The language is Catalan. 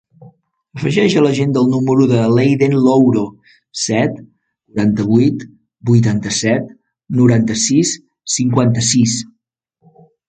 Afegeix a l'agenda el número de l'Eiden Louro: set, quaranta-vuit, vuitanta-set, noranta-sis, cinquanta-sis.